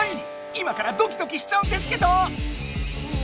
今からドキドキしちゃうんですけど！